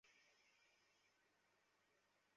ওটা আমার ছেলে!